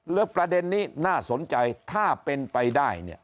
แล้วประเด็นนี้น่าสนใจถ้าเป็นไปได้เนี่ย